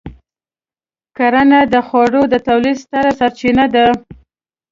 کرنه د خوړو د تولید ستره سرچینه ده.